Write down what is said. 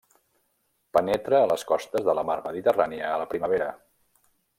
Penetra a les costes de la Mar Mediterrània a la primavera.